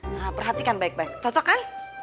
nah perhatikan baik baik cocok kan